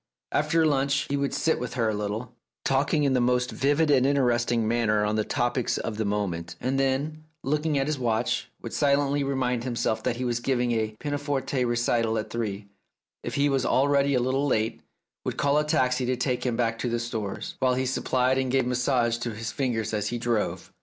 After lunch he would sit with her a little, talking in the most vivid and interesting manner on the topics of the moment, and then, looking at his watch, would silently remind himself that he was giving a pianoforte recital at three, and, if he was already a little late, would call a taxi to take him back to the Stores, while he suppled and gave massage to his fingers as he drove.